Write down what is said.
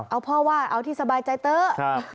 เอาพ่อว่าเอาที่สบายใจเต๊ะ